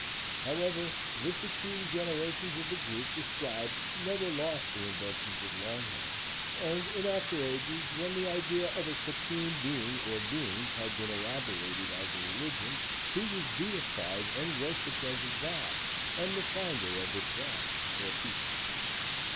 However, the succeeding generations of the group described never lost the inventions of Longhead, and in after ages, when the idea of a Supreme Being or beings had been elaborated as a religion, he was deified and worshipped as a god and the founder of the tribe or people.